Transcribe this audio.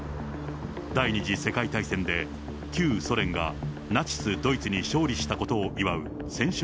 第２次世界大戦で、旧ソ連がナチス・ドイツに勝利したことを祝う戦勝